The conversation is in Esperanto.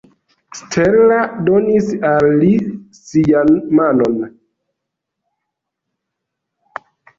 Stella donis al li sian manon.